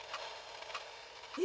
え？